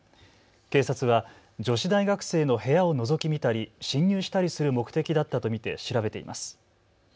警察は女子大学生の部屋をのぞき見たり侵入したりする目的だったと見て調べています。